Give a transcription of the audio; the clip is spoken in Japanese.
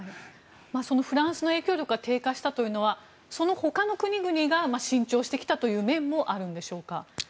そのフランスの影響力が低下したというのはそのほかの国々が伸長してきたという面もあるんでしょうか。